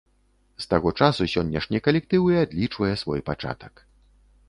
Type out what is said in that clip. З таго часу сённяшні калектыў і адлічвае свой пачатак.